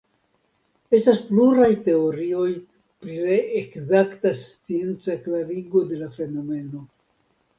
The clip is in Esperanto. Estas pluraj teorioj pri la ekzakta scienca klarigo de la fenomeno.